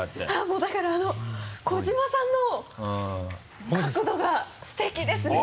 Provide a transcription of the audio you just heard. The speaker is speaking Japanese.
もうだからあの小嶋さんの角度がすてきですね。